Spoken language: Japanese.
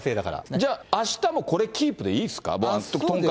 じゃあ、あしたもこれ、キープでいいですか？